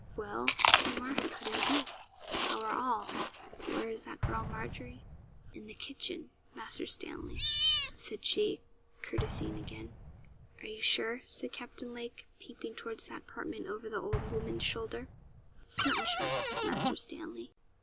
'Well, Tamar, how do you do? how are all? Where is that girl Margery?' 'In the kitchen, Master Stanley,' said she, courtesying again. 'Are you sure?' said Captain Lake, peeping toward that apartment over the old woman's shoulder. 'Certain sure, Master Stanley.'